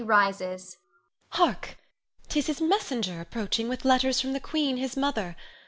Hark! 'tis his messenger approaching with letters from the queen, his mother.